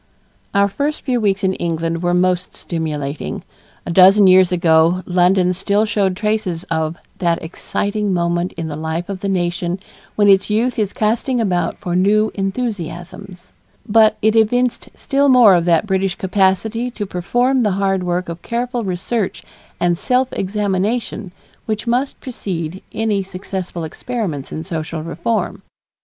Our first few weeks in England were most stimulating. A dozen years ago London still showed traces of "that exciting moment in the life of the nation when its youth is casting about for new enthusiasms," but it evinced still more of that British capacity to perform the hard work of careful research and self examination which must precede any successful experiments in social reform.